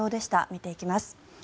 見ていきます。